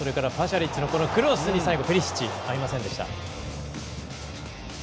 リッチのクロスに最後、ペリシッチ合いませんでした。